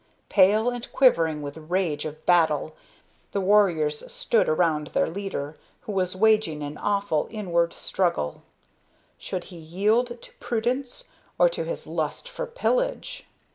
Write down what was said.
Pale and quivering with rage of battle, the warriors stood around their leader, who was waging an awful inward struggle. Should he yield to prudence or to his lust for pillage?